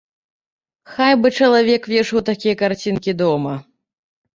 Хай бы чалавек вешаў такія карцінкі дома.